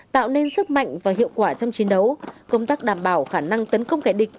tạo nên sức mạnh và hiệu quả trong chiến đấu công tác đảm bảo khả năng tấn công kẻ địch